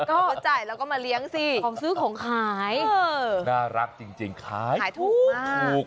ก็เขาจ่ายแล้วก็มาเลี้ยงสิของซื้อของขายน่ารักจริงขายขายถูก